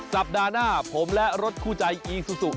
สัปดาห์หน้าผมและรถคู่ใจอีซูซู